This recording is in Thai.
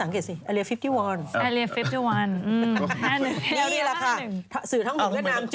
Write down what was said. นี่แหละที่เวียดนามไปเจอ